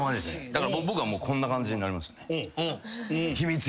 だから僕はもうこんな感じになりましたね。